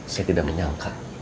saya tidak menyangka